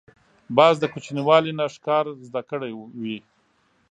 باز د کوچنیوالي نه ښکار زده کړی وي